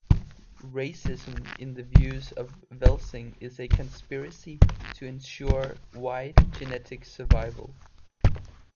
Racism, in the views of Welsing, is a conspiracy "to ensure white genetic survival".